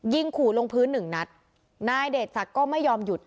ขู่ลงพื้นหนึ่งนัดนายเดชศักดิ์ก็ไม่ยอมหยุด